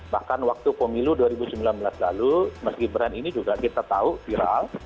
bahkan waktu pemilu dua ribu sembilan belas lalu mas gibran ini juga kita tahu viral